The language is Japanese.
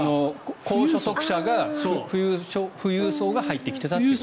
高所得者が、富裕層が入ってきていたということね。